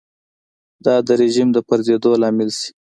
دا د رژیم د پرځېدو لامل شي.